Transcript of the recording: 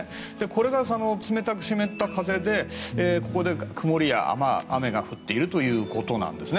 これが冷たく湿った風でここで曇りや雨が降っているということです。